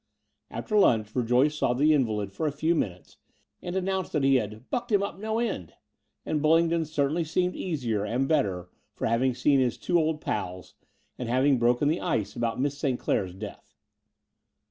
After lunch Verjoyce saw the invalid for a few minutes, and announced that he had Ducked him up no end"; and Bullingdon certainly seemed easier and better for having seen his two old "pals " and having broken the ice about Miss St. Clair's death.